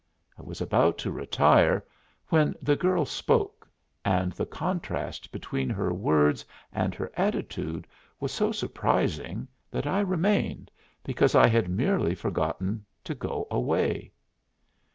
I was about to retire, when the girl spoke, and the contrast between her words and her attitude was so surprising that I remained, because I had merely forgotten to go away.